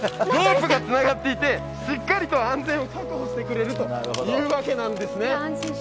ロープがつながっていてしっかりと安全を確保してくれるというわけなんですね。